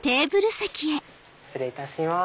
失礼いたします。